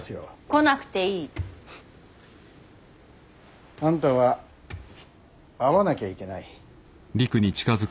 来なくていい。あんたは会わなきゃいけない。